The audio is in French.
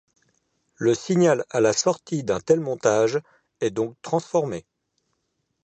Le signal à la sortie d'un tel montage est donc transformé.